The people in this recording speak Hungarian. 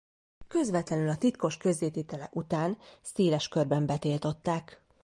Közvetlenül a titkos közzététele után széles körben betiltották.